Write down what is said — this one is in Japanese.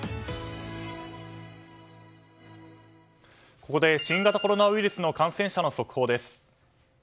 ここで新型コロナウイルスの感染者の速報です。